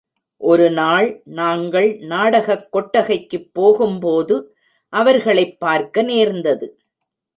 ஒருநாள் நாங்கள் நாடகக் கொட்டகைக்குப் போகும்போது, அவர்களைப் பார்க்க நேர்ந்தது.